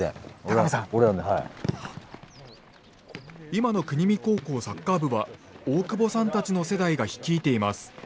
今の国見高校サッカー部は大久保さんたちの世代が率いています。